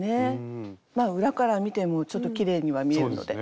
まあ裏から見てもちょっときれいには見えるので。